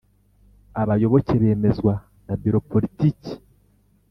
abayoboke bemezwa na Biro Politiki